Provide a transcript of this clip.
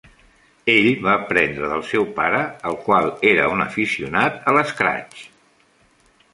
Ell va aprendre del seu pare, el qual era un aficionat al "scratch".